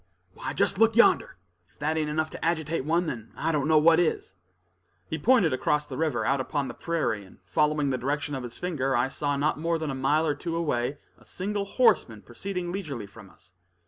"Why, just look yonder, if that ain't enough to agitate one, then I don't know what is." He pointed across the river, out upon the prairie; and following the direction of his finger, I saw not more than a mile or two away a single horseman proceeding leisurely from us.